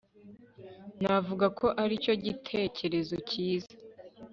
navuga ko aricyo gitekerezo cyiza